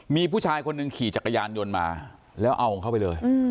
มีผู้ชายคนหนึ่งขี่จักรยานยนต์มาแล้วเอาของเขาไปเลย